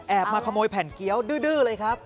มาขโมยแผ่นเกี้ยวดื้อเลยครับ